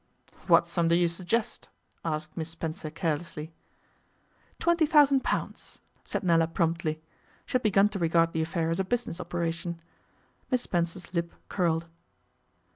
'What sum do you suggest?' asked Miss Spencer carelessly. 'Twenty thousand pounds,' said Nella promptly. She had begun to regard the affair as a business operation. Miss Spencer's lip curled.